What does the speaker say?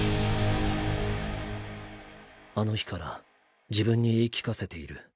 あの日から自分に言い聞かせている。